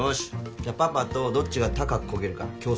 じゃあパパとどっちが高くこげるか競争だ。